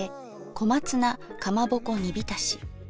小松菜かまぼこ煮浸し。